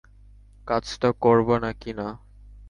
কাজটা করবা নাকি না?